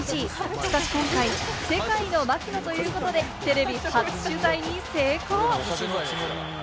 しかし今回、世界の槙野ということでテレビ初取材に成功！